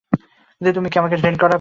কিন্তু তুমি কি আমাকে ট্রেনিং করাবে?